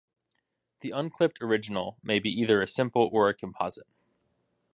The unclipped original may be either a simple or a composite.